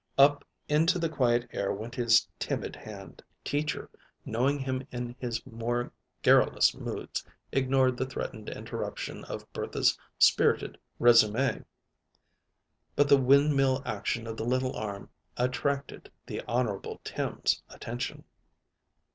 Up into the quiet air went his timid hand. Teacher, knowing him in his more garrulous moods, ignored the threatened interruption of Bertha's spirited résumé, but the windmill action of the little arm attracted the Honorable Tim's attention.